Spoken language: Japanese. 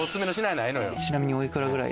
ちなみにおいくらくらい？